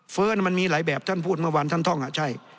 มันมีหลายแบบท่านพูดเมื่อวานท่านท่องอ่ะใช่